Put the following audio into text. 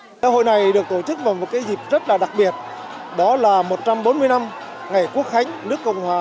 ngày hội này được tổ chức vào một dịp rất đặc biệt đó là một trăm bốn mươi năm ngày quốc khánh nước cộng hòa